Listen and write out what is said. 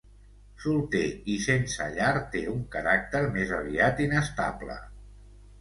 Solter i sense llar, té un caràcter més aviat inestable.